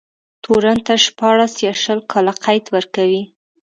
تورن ته شپاړس يا شل کاله قید ورکوي.